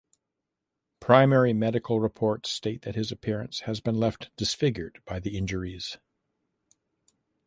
Primary medical reports state that his appearance has been left disfigured by the injuries.